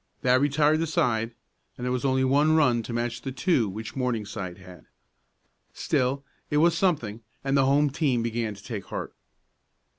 That retired the side, and there was only one run to match the two which Morningside had. Still it was something, and the home team began to take heart.